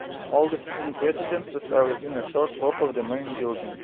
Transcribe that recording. All the student residences are within a short walk of the main building.